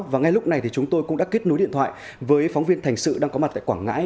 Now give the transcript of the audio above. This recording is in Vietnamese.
và ngay lúc này thì chúng tôi cũng đã kết nối điện thoại với phóng viên thành sự đang có mặt tại quảng ngãi